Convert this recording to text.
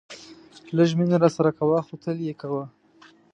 لږ مینه راسره کوه خو تل یې کوه.